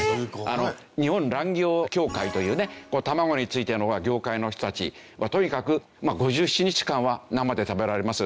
日本卵業協会というね卵についての業界の人たちはとにかくまあ５７日間は生で食べられますよ